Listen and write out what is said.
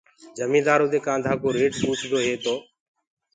جميدآرو دي ڪآنڌآ ڪو ريٽ پوڇدو هي تو